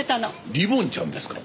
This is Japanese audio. リボンちゃんですか。